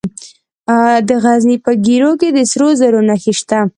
د غزني په ګیرو کې د سرو زرو نښې شته.